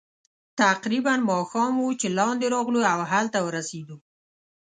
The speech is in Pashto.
تقریباً ماښام وو چې لاندې راغلو، او هلته ورسېدو.